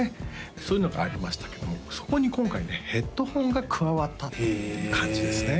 そういうのがありましたけどもそこに今回ねヘッドフォンが加わったっていう感じですね